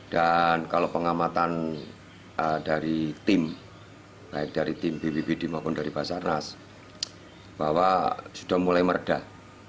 dan kalau pengamatan dari tim baik dari tim bpbd maupun dari basarnas bahwa sudah mulai meredah